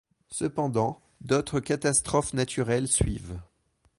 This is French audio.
Cependant, d'autres catastrophes naturelles suivent.